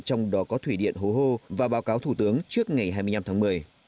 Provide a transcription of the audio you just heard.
trong đó có thủy điện hố hô và báo cáo thủ tướng trước ngày hai mươi năm tháng một mươi